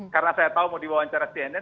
karena saya tahu mau diwawancara cnn